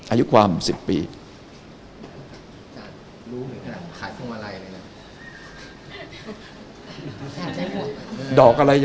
อายุความ๑๐ปี